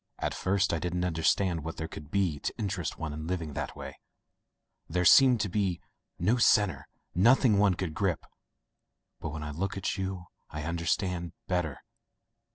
"At first I didn't understand what there could be to interest one in living that way — there seemed to be no centre, nothing one could grip. But when I look at you I understand better.